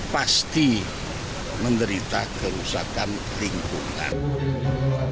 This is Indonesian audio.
pasti menderita kerusakan lingkungan